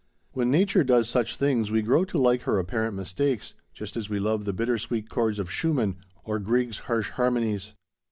When nature does such things we grow to like her apparent mistakes, just as we love the bitter sweet chords of Schumann, or Grieg's harsh harmonies.